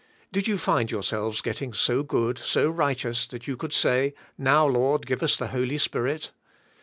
Did you find yourselves g'etting so gfood, so rig hteous, that you could say, Now, Lord g ive us the Holy Spirit?